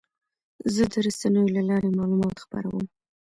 زه د رسنیو له لارې معلومات خپروم.